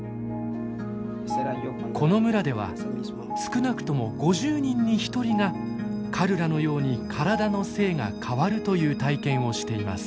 この村では少なくとも５０人に１人がカルラのように体の性が変わるという体験をしています。